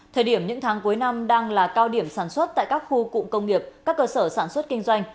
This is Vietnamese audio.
thời điểm những tháng cuối năm đang là cao điểm sản xuất tại các khu cụm công nghiệp các cơ sở sản xuất kinh doanh